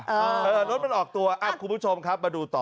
เออรถมันออกตัวคุณผู้ชมครับมาดูต่อ